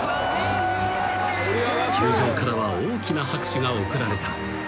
［球場からは大きな拍手が送られた］